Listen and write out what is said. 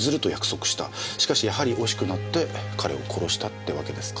しかしやはり惜しくなって彼を殺したってわけですか。